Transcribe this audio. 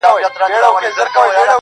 گراني انكار~